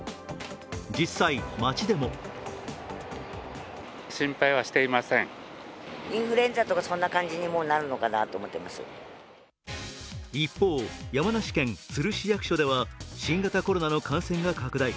実際、街でも一方、山梨県都留市役所では新型コロナの感染が拡大。